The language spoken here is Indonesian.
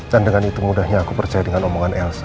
dan dengan itu mudahnya aku percaya dengan omongan elsa